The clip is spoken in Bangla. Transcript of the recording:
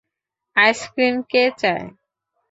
আইসক্রিম কে চায়?